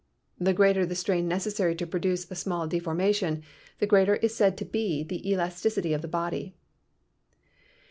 The greater the strain necessary to produce a small deformation, the greater is said to be the elasticity 32 PHYSICS of the body.